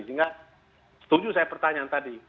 sehingga setuju saya pertanyaan tadi